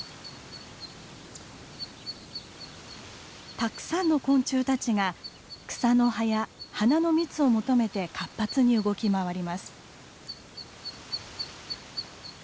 たくさんの昆虫たちが草の葉や花の蜜を求めて活発に動き回ります。